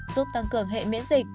giúp tăng cường hệ miễn dịch